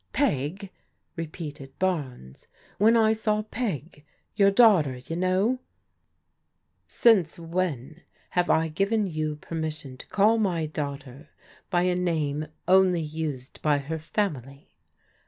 " "Peg," repeated Barnes; "when I saw P^^ — ^your daughter, you know." " Since when have I given you permission to call my daughter by a name only used by her family?